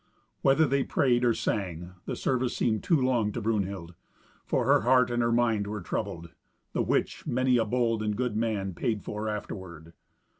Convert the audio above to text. Whether they prayed or sang, the service seemed too long to Brunhild, for her heart and her mind were troubled, the which many a bold and good man paid for afterward.